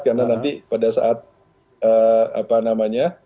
karena nanti pada saat apa namanya